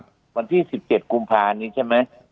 วันที่สิบเจ็ดกุมภานี้ใช่ไหม